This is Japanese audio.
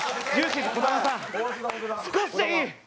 少しでいい！